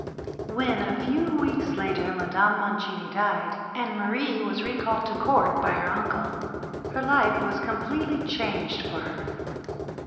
When, a few weeks later, Madame Mancini died, and Marie was recalled to Court by her uncle, her life was completely changed for her.